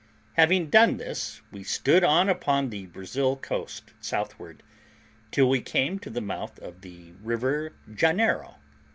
Having done this, we stood on upon the Brazil coast, southward, till we came to the mouth of the river Janeiro.